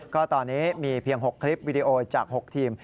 ก็ตอนนี้มีเพียง๖คลิปวิดีโอจาก๖ทีม